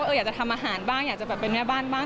อยากจะทำอาหารบ้างอยากจะแบบเป็นแม่บ้านบ้าง